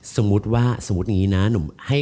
สมมุติว่าสมมุติอย่างนี้นะหนุ่ม